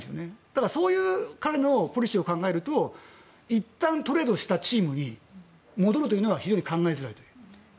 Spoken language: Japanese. だから、そういう彼のポリシーを考えるといったんトレードしたチームに戻るというのは非常に考えづらい。